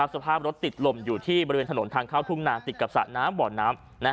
สภาพรถติดลมอยู่ที่บริเวณถนนทางเข้าทุ่งนาติดกับสระน้ำบ่อน้ำ